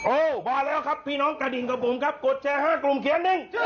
มาแล้วครับพี่น้องกระดิ่งกระบุ๋มครับกดแชร์๕กลุ่มเขียนหนึ่ง